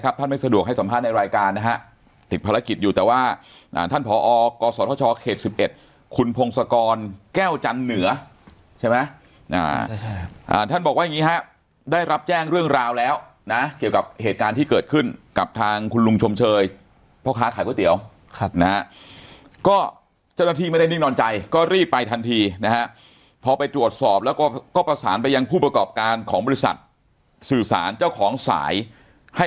ครับท่านไม่สะดวกให้สัมภาษณ์ในรายการนะฮะติดภารกิจอยู่แต่ว่าอ่าท่านผอกศธชเขตสิบเอ็ดคุณพงศกรแก้วจันทร์เหนือใช่ไหมอ่าอ่าท่านบอกว่าอย่างงี้ฮะได้รับแจ้งเรื่องราวแล้วนะเกี่ยวกับเหตุการณ์ที่เกิดขึ้นกับทางคุณลุงชมเชยพ่อค้าขายก๋วยเตี๋ยวครับนะฮะก็เจ้าหน้าที่